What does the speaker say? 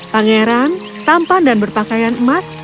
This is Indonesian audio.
pangeran tampan dan berpakaian emas